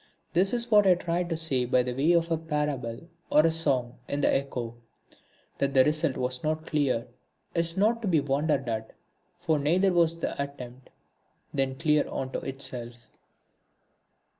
This is what I tried to say by way of a parable or a song in The Echo. That the result was not clear is not to be wondered at, for neither was the attempt then clear unto itself.